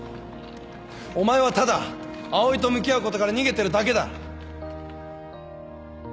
お前はただ葵と向き合うことから逃げてるだけだ。